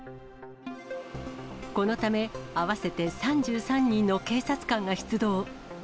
このため、合わせて３３人の警察官が出動。